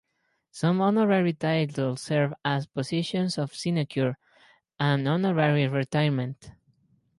Some honorary titles serve as positions of sinecure and honorary retirement.